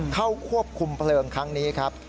เข้าควบคุมเพลิงครั้งนี้ครับ